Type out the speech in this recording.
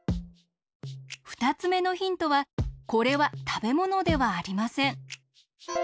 ふたつめのヒントはこれはたべものではありません。